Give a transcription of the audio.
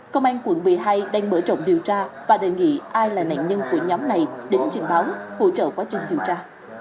công an quận một mươi hai đang mở rộng điều tra và đề nghị ai là nạn nhân của nhóm này đến trình báo hỗ trợ quá trình điều tra